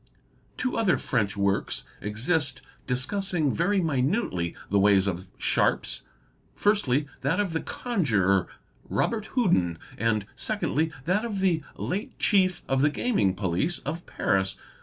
T'wo other French works exist discussing very minutely the ways of sharps: firstly that of _the conjurer, Robert Houdin, and secondly that of the late chief of the gaming police of Paris, M.